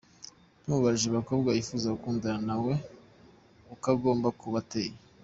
Tumubajije umukobwa yifuza gukundana nawe uko agomba kuba ateye.